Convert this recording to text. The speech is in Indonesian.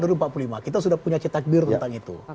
dulu empat puluh lima kita sudah punya cita khidmat tentang itu